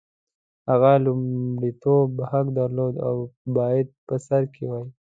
هغه د لومړیتوب حق درلود او باید په سر کې وای.